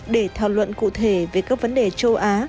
để thảo luận cụ thể về các vấn đề châu á